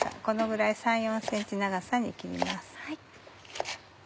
このぐらい３４ｃｍ長さに切ります。